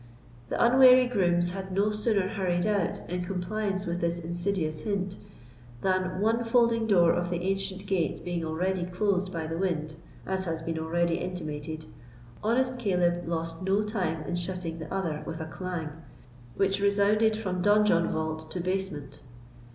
The unwary grooms had no sooner hurried out, in compliance with this insidious hint, than, one folding door of the ancient gate being already closed by the wind, as has been already intimated, honest Caleb lost no time in shutting the other with a clang, which resounded from donjon vault to battlement.